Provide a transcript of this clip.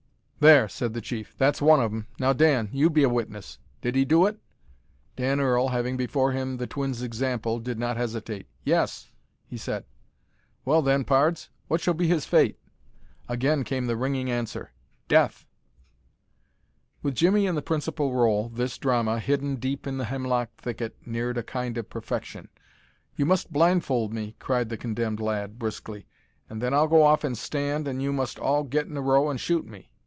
"There," said the chief, "that's one of 'em. Now, Dan, you be a witness. Did he do it?" Dan Earl, having before him the twin's example, did not hesitate. "Yes," he said. "Well, then, pards, what shall be his fate?" Again came the ringing answer, "Death!" With Jimmie in the principal rôle, this drama, hidden deep in the hemlock thicket neared a kind of perfection. "You must blind fold me," cried the condemned lad, briskly, "an' then I'll go off an' stand, an' you must all get in a row an' shoot me."